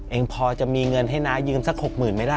เองพอจะมีเงินให้น้ายืมสัก๖๐๐๐ไหมล่ะ